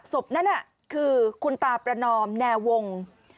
ศพนั้นคือคุณตาประนอมแนวง